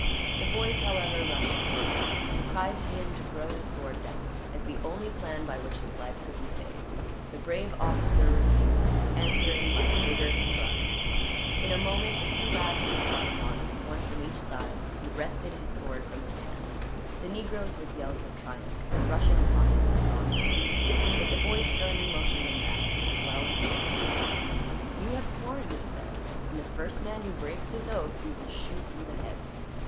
The boys, however, rushed forward; and cried to him to throw his sword down, as the only plan by which his life could be saved. The brave officer refused, answering by a vigorous thrust. In a moment the two lads had sprung upon him, one from each side, and wrested his sword from his hand. The negroes, with yells of triumph, were rushing upon him with drawn swords; but the boys sternly motioned them back, keeping well in front of their prisoner. "You have sworn," they said, "and the first man who breaks his oath we will shoot through the head."